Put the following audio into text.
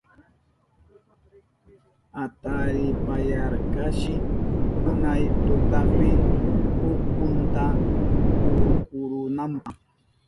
Ataripayarkashi unay tutapi utkunta kururunanpa.